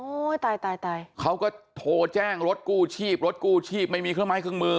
ตายตายตายเขาก็โทรแจ้งรถกู้ชีพรถกู้ชีพไม่มีเครื่องไม้เครื่องมือ